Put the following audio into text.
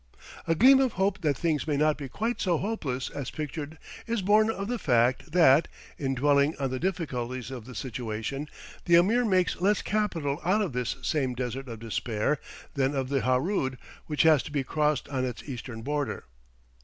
A gleam of hope that things may not be quite so hopeless as pictured is born of the fact that, in dwelling on the difficulties of the situation, the Ameer makes less capital out of this same Desert of Despair than of the Harood, which has to be crossed on its eastern border.